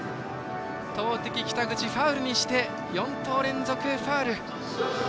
投てきを北口はファウルにして４投連続ファウル。